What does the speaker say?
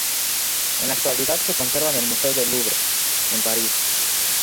En la actualidad se conserva en el Museo del Louvre, en París.